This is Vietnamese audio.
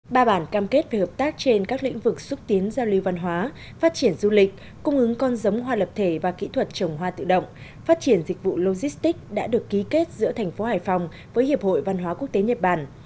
ba bản cam kết về hợp tác trên các lĩnh vực xúc tiến giao lưu văn hóa phát triển du lịch cung ứng con giống hoa lập thể và kỹ thuật trồng hoa tự động phát triển dịch vụ logistics đã được ký kết giữa thành phố hải phòng với hiệp hội văn hóa quốc tế nhật bản